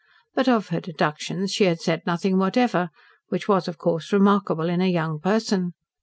But of her deductions she had said nothing whatever, which was, of course, remarkable in a young person.